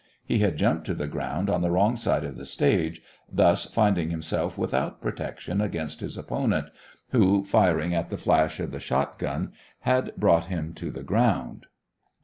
He had jumped to the ground on the wrong side of the stage, thus finding himself without protection against his opponent, who, firing at the flash of the shot gun, had brought him to the ground.